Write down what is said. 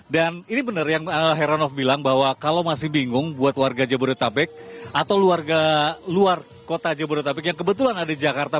dan ini benar yang heranov bilang bahwa kalau masih bingung buat warga jabodetabek atau luar kota jabodetabek yang kebetulan ada jakarta